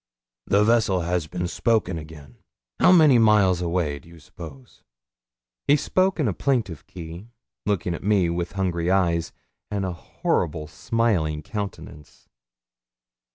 'The vessel has been spoken again. How many miles away, do you suppose?' He spoke in a plaintive key, looking at me, with hungry eyes, and a horribly smiling countenance.